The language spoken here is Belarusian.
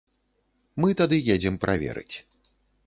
Мы тады едзем праверыць.